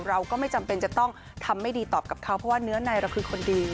เราก็ไม่จำเป็นจะต้องทำไม่ดีตอบกับเขาเพราะว่าเนื้อในเราคือคนดี